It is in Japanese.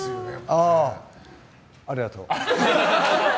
ああありがとう。